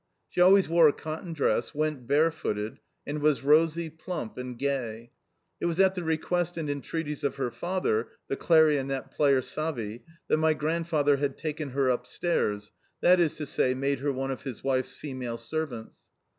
She always wore a cotton dress, went barefooted, and was rosy, plump, and gay. It was at the request and entreaties of her father, the clarionet player Savi, that my grandfather had "taken her upstairs" that is to say, made her one of his wife's female servants.